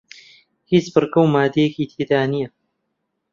هیچ بڕگە و ماددەیەکی تێدا نییە